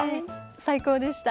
最高でした。